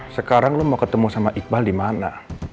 sekarang lo mau ketemu sama iqbal dimana